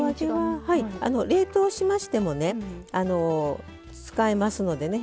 冷凍しましても使えますのでね。